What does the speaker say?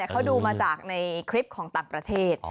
เขาดูมาจากในคลิปของต่างประเทศ